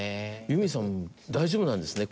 由実さん大丈夫なんですね